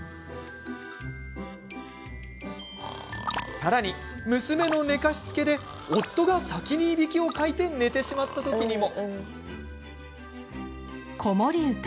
さらに、娘の寝かしつけで夫が先にいびきをかいて寝てしまった時にも。